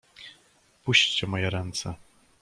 "Puśćcie moje ręce!"